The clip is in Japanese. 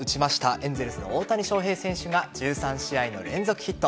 エンゼルスの大谷翔平選手が１３試合連続ヒット。